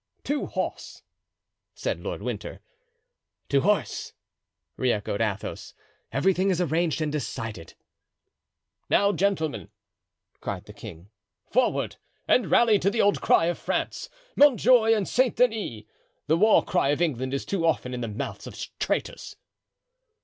"To horse!" said Lord Winter. "To horse!" re echoed Athos; "everything is arranged and decided." "Now, gentlemen," cried the king, "forward! and rally to the old cry of France, 'Montjoy and St. Denis!' The war cry of England is too often in the mouths of traitors."